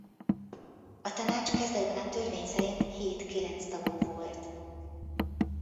A Tanács kezdetben a törvény szerint hét-kilenc tagú volt.